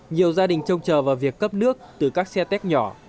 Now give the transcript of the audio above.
nhiều gia đình trông chờ vào việc cấp nước từ các xe tét nhỏ